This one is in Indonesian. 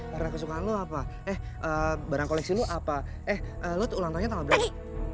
karena kesukaan lo apa eh barang koleksi lu apa eh lo tuh ulang tahunnya tanggal berapa